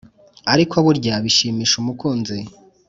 ariko burya bishimisha umukunzi